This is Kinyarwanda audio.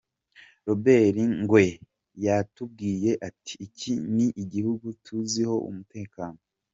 Robert Ngwe yatubwiye ati “Iki ni igihugu tuziho umutekano.